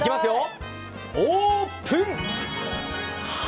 オープン！